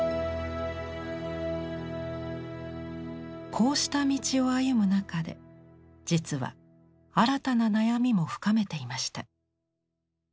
こうした道を歩む中で実は新たな悩みも深めていました。